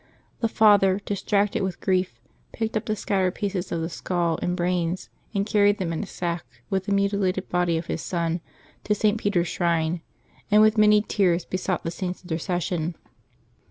The father, distracted with grief, picked up the scattered pieces of the skull and brains, and carried them in a sack, with the mutilated body of his son, to St. Peter's shrine, and with many tears be sought the Saint's intercession.